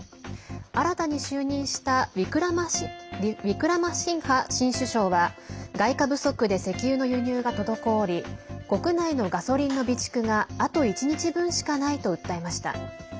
新たに就任したウィクラマシンハ新首相は外貨不足で、石油の輸入が滞り国内のガソリンの備蓄があと１日分しかないと訴えました。